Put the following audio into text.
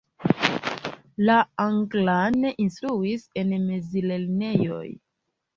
La anglan instruis en mezlernejoj.